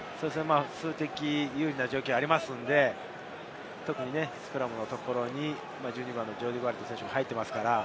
数的有利な状況がありますので、スクラムのところに１２番のジョーディー・バレット選手が入っています。